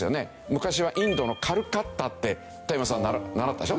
昔はインドのカルカッタって田山さん習ったでしょ？